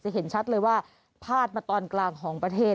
เห็นชัดเลยว่าพาดมาตอนกลางของประเทศ